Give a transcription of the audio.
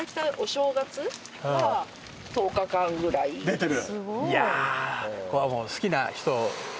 出てる。